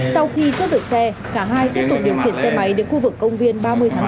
sau khi cướp được xe cả hai tiếp tục điều khiển xe máy đến khu vực công viên ba mươi tháng bốn